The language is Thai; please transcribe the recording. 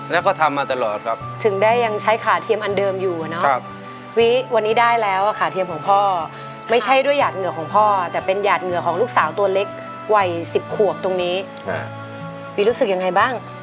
แล้วก็ทำมาตลอดครับ